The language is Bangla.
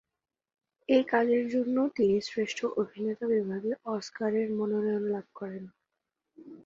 এই কাজের জন্য তিনি শ্রেষ্ঠ অভিনেতা বিভাগে অস্কারের মনোনয়ন লাভ করেন।